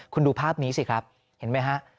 คุณดูภาพนี้สิครับเห็นไหมฮะ